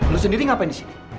lu sendiri ngapain disini